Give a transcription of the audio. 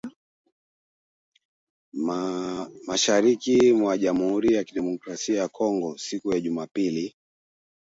mashariki mwa Jamhuri ya Kidemokrasi ya Kongo siku ya Jumapili